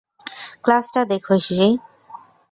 ক্লাসটা দেখ, হিশি।